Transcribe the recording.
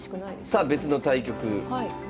さあ別の対局。